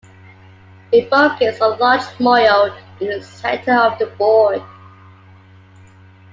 It focused on large moyo in the center of the board.